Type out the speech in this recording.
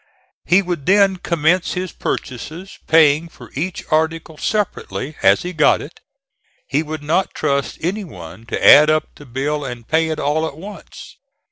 He would then commence his purchases, paying for each article separately, as he got it. He would not trust any one to add up the bill and pay it all at once.